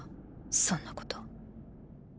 そんなこと。